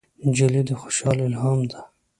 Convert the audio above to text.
نجلۍ د خوشحالۍ الهام ده.